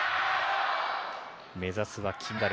目指すは金メダル。